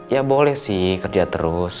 ya boleh sih kerja terus